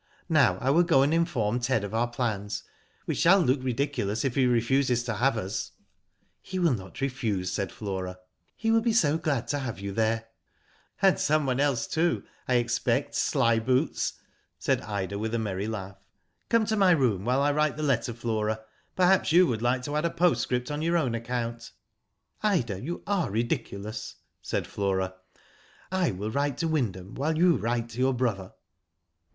Now I will go and inform Ted of our plans. We shall look ridiculous if he refuses to have us." Digitized byGoogk 70 WHO DID ITf "He will not refuse," said Flora, ''he will be so glad to have you there," "And someone else, too, I expect, sly boots," said Ida, with a merry laugji. "Come to my room while I write the letter, Flora. Perhaps you would like to add a postscript on your own account." '* Ida, you are ridiculous," said Flora. *' I will write to Wyndham while you write to your brother."